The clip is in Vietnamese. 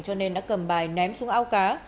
cho nên đã cầm bài ném xuống ao cá